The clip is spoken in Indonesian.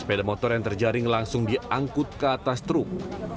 sepeda motor yang terjaring langsung diangkut ke atas truk